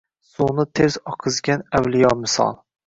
suvni ters oqizgan avliyo misol